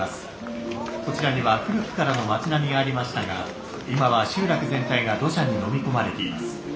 こちらには古くからの町並みがありましたが今は集落全体が土砂にのみ込まれています。